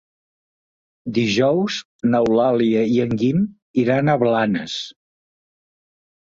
Dijous n'Eulàlia i en Guim iran a Blanes.